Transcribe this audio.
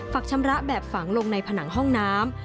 ชำระแบบฝังลงในผนังห้องน้ำ